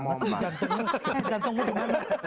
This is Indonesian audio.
eh jantungmu dimana